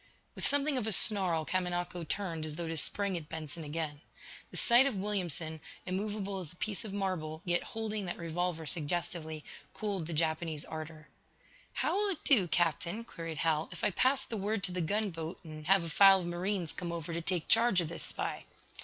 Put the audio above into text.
With something of a snarl Kamanako turned as though to spring at Benson again. The sight of Williamson, immovable as a piece of marble, yet holding that revolver suggestively, cooled the Japanese ardor. "How will it do, Captain," queried Hal, "if I pass the word to the gunboat and, have a file of marines come over to take charge of this spy?"